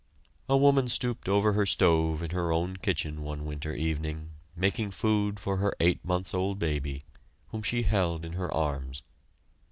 A woman stooped over her stove in her own kitchen one winter evening, making food for her eight months old baby, whom she held in her arms.